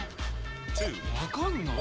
分かんない。